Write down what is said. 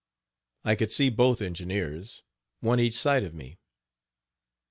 I could see both engineers, one each side of me.